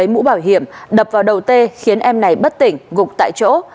duy lấy mũ bảo hiểm đập vào đầu tê khiến em này bất tỉnh gục tại chỗ